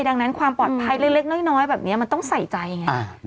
ดังนั้นความปลอดภัยเล็กน้อยแบบนี้มันต้องใส่ใจไง